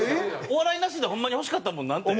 お笑いなしでホンマに欲しかったものなんて？